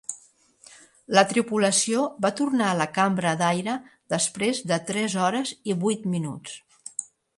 La tripulació va tornar a la cambra d'aire després de tres hores i vuit minuts.